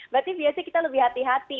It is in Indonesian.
berarti biasanya kita lebih hati hati